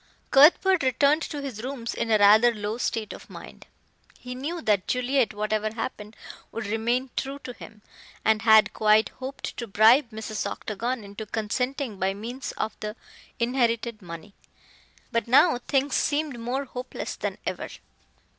Cuthbert returned to his rooms in a rather low state of mind. He knew that Juliet, whatever happened, would remain true to him, and had quite hoped to bribe Mrs. Octagon into consenting by means of the inherited money. But now things seemed more hopeless than ever.